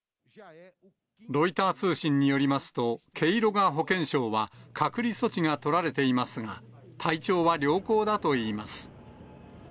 ロイター通信によりますと、ケイロガ保健相は隔離措置が取られていますが、体調は良好だといいます。